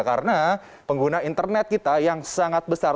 karena pengguna internet kita yang sangat besar